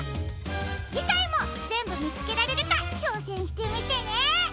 じかいもぜんぶみつけられるかちょうせんしてみてね！